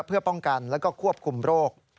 เพื่อป้องกันแล้วก็ควบคุมโรค